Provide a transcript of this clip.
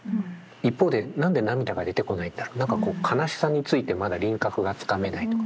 一方で何で涙が出てこないんだろう何かこう悲しさについてまだ輪郭がつかめないとか。